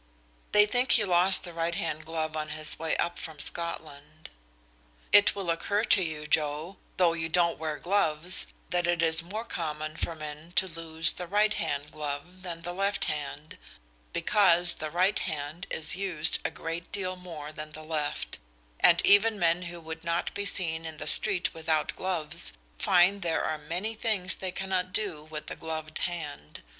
They think he lost the right hand glove on his way up from Scotland. It will occur to you, Joe, though you don't wear gloves, that it is more common for men to lose the right hand glove than the left hand, because the right hand is used a great deal more than the left, and even men who would not be seen in the street without gloves find there are many things they cannot do with a gloved hand.